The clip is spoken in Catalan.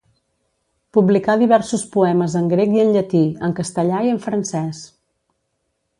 Publicà diversos poemes en grec i en llatí, en castellà i en francès.